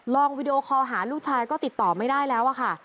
วีดีโอคอลหาลูกชายก็ติดต่อไม่ได้แล้วอะค่ะ